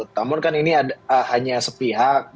namun kan ini hanya sepihak